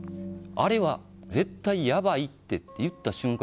あれは絶対やばいってって言った瞬間